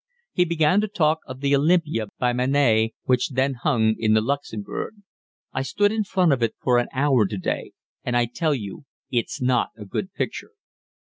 He began to talk of the Olympia by Manet, which then hung in the Luxembourg. "I stood in front of it for an hour today, and I tell you it's not a good picture."